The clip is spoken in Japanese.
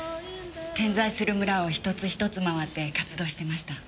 点在する村を一つ一つ回って活動してました。